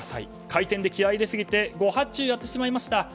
開店で気合い入れすぎて誤発注やってしまいました。